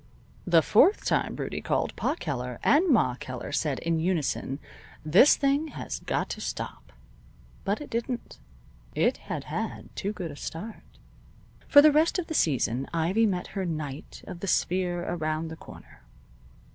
The fourth time Rudie called, Pa Keller and Ma Keller said, in unison: "This thing has got to stop." But it didn't. It had had too good a start. For the rest of the season Ivy met her knight of the sphere around the corner.